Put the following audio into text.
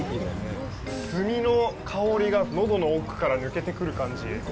炭の香りが、喉の奥から抜けてくる感じ。